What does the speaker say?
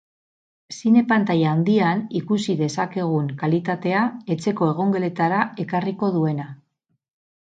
Zine pantaila handian ikusi dezakegun kalitatea etxeko egongeletara ekarriko duena.